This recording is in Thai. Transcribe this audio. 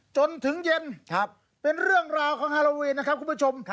จนถึงเย็นเป็นเรื่องราวของฮาโลวีนนะครับคุณผู้ชม